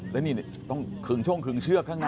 แล้วนี่ต้องคึงช่วงคึงเชือกข้างใน